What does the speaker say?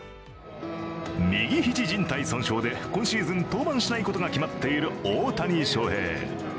右肘じん帯損傷で今シーズン、登板しないことが決まっている大谷翔平。